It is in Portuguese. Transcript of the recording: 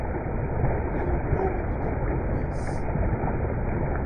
Leopoldo de Bulhões